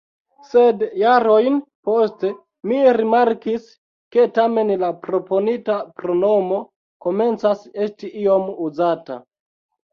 Sed jarojn poste mi rimarkis, ke tamen la proponita pronomo komencas esti iom uzata.